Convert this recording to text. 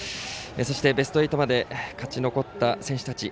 そしてベスト８まで勝ち残った選手たち。